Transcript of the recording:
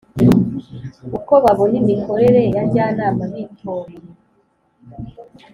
uko babona imikorere yanjyanama bitoreye